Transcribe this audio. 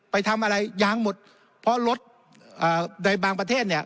ไปทำอะไรยางหมดเพราะรถในบางประเทศเนี่ย